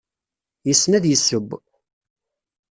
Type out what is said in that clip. Yessen ad yesseww.